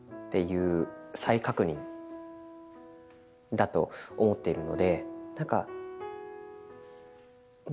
だと思っているので。